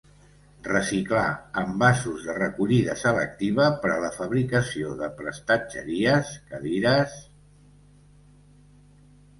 Reciclar envasos de recollida selectiva per a la fabricació de prestatgeries, cadires...